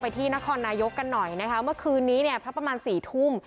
ที่นครนายกกันหน่อยนะคะเมื่อคืนนี้เนี่ยพระประมาณสี่ทุ่ม